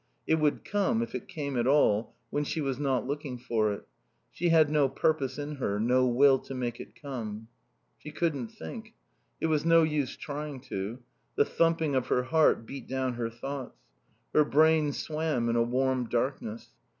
It would come, if it came at all, when she was not looking for it. She had no purpose in her, no will to make it come. She couldn't think. It was no use trying to. The thumping of her heart beat down her thoughts. Her brain swam in a warm darkness.